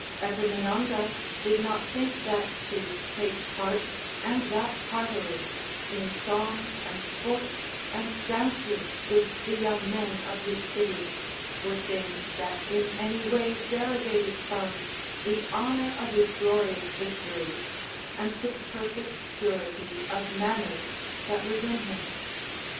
Epaminondas did not think that to take part, and that heartily, in songs and sports and dances with the young men of his city, were things that in any way derogated from the honour of his glorious victories and the perfect purity of manners that was in him.